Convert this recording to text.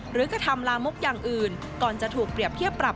กระทำลามกอย่างอื่นก่อนจะถูกเปรียบเทียบปรับ